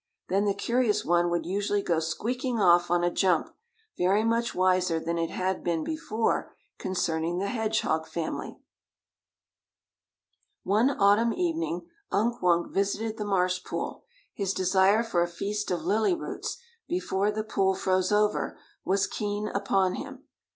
Then the curious one would usually go squeaking off on a jump, very much wiser than it had been before concerning the hedgehog family. One autumn evening Unk Wunk visited the marsh pool; his desire for a feast of lily roots, before the pool froze over, was keen upon him.